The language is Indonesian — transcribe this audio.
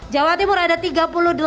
jawa timur ada tiga